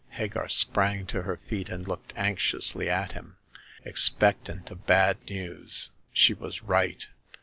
Hagar sprang to her feet, and looked anxiously at him, expectant of bad news. She was right.